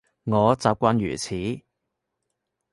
我習慣如此